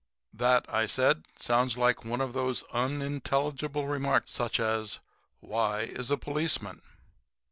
"That," said I, "sounds like one of those unintelligible remarks such as, 'Why is a policeman?'"